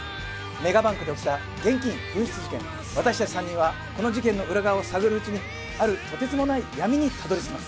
「大銀行で起きた現金紛失事件」「私たち３人はこの事件の裏側を探るうちにあるとてつもない闇にたどり着きます」